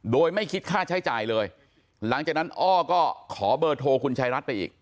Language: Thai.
โดยไม่คิดค่าใช้จ่ายเลยหลังจากนั้นอ้อก็ขอเบอร์โทรคุณชายรัฐไปอีก